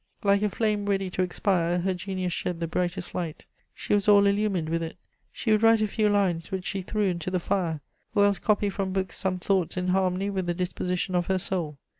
Like a flame ready to expire, her genius shed the brightest light; she was all illumined with it. She would write a few lines which she threw into the fire, or else copy from books some thoughts in harmony with the disposition of her soul.